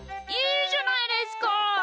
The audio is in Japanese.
いいじゃないですか。